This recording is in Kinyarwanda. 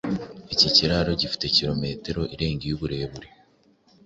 Iki kiraro gifite kilometero irenga y’uburebure